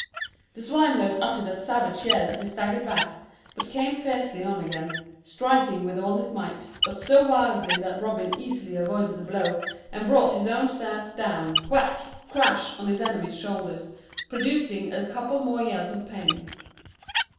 The swineherd uttered a savage yell as he staggered back, but came fiercely on again, striking with all his might, but so wildly that Robin easily avoided the blow, and brought his own staff down whack, crash, on his enemy's shoulders, producing a couple more yells of pain.